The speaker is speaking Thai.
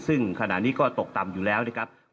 ซึ่งขณะนี้ก็ตกต่ำอยู่แล้วนะครับ